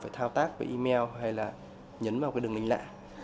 phải thao tác với email hay là nhấn vào cái đường linh lạ